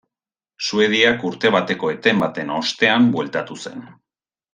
Suediak urte bateko eten baten ostean bueltatu zen.